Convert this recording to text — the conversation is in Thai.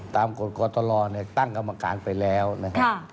ตามกฎกรตลอด์เนี่ยตั้งกรรมการไปแล้วนะครับ